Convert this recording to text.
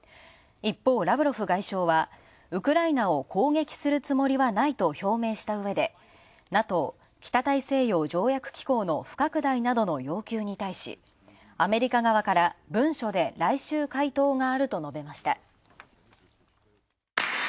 一方、ラブロフ外相はウクライナを攻撃するつもりはないと表明したうえで、ＮＡＴＯ＝北大西洋条約機構の不拡大などの要求に対しアメリカ側から文書で来週、回答があると述べました。